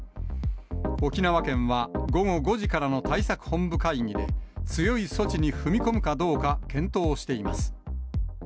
沖縄県は午後５時からの対策本部会議で、強い措置に踏み込むかどうか検討しています。